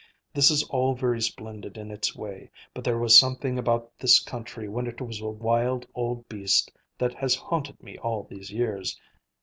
This is all very splendid in its way, but there was something about this country when it was a wild old beast that has haunted me all these years.